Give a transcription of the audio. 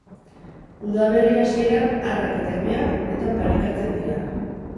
Udaberri hasieran arrak eta emeak uretan parekatzen dira.